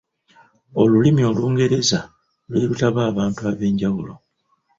Olulimi Olungereza lwe lutaba abantu ab’enjawulo.